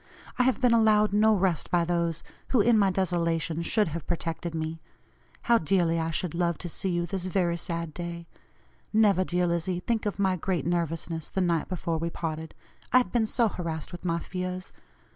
I have been allowed no rest by those who, in my desolation, should have protected me. How dearly I should love to see you this very sad day. Never, dear Lizzie, think of my great nervousness the night before we parted; I had been so harassed with my fears.